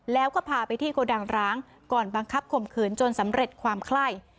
แล้วก็พาไปที่โกดังร้างก่อนบังคับข่มขืนจนสำเร็จความไคร่